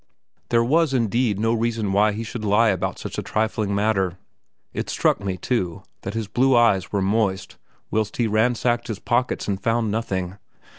There was, indeed, no reason why he should lie about such a trifling matter. It struck me, too, that his blue eyes were moist whilst he ransacked his pockets and found nothing.